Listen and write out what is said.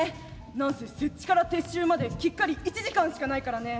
何せ設置から撤収まできっかり１時間しかないからね。